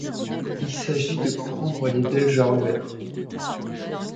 Il s'agit de prendre les Belges à revers.